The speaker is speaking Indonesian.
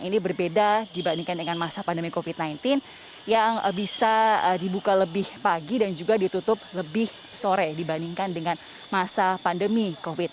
ini berbeda dibandingkan dengan masa pandemi covid sembilan belas yang bisa dibuka lebih pagi dan juga ditutup lebih sore dibandingkan dengan masa pandemi covid sembilan belas